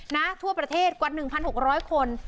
ทั่วประเทศกว่า๑๖๐๐คน